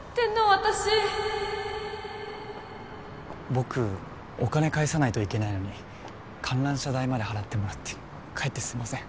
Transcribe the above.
私僕お金返さないといけないのに観覧車代まで払ってもらってかえってすいません